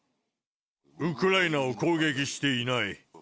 ウクライナを攻撃していない。